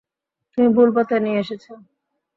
তুমি ভুল পথে নিয়ে এসেছ!